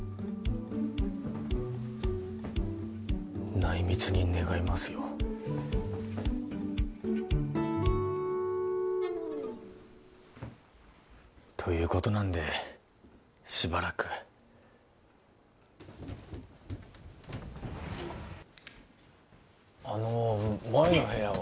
内密に願いますよということなんでしばらくあの前の部屋は？